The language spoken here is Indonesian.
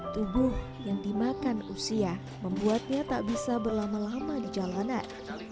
tubuh yang dimakan usia membuatnya tak bisa berlama lama di jalanan